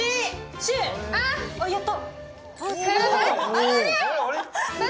あ、やった。